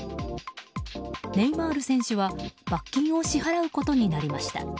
ネイマール選手は罰金を支払うことになりました。